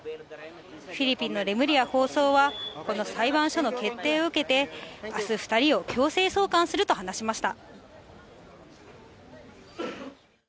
フィリピンのレムリヤ法相は、この裁判所の決定を受けて、あす、２人を強制送還すると話しました。